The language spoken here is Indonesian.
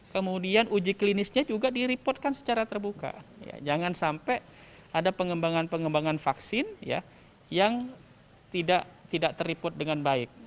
kemudian uji klinisnya juga direportkan secara terbuka jangan sampai ada pengembangan pengembangan vaksin yang tidak teriput dengan baik